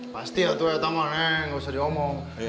pasti ya itu ayat tuhan neng gak usah diomong